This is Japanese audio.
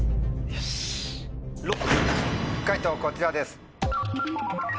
解答こちらです。